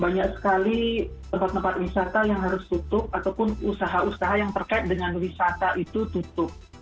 banyak sekali tempat tempat wisata yang harus tutup ataupun usaha usaha yang terkait dengan wisata itu tutup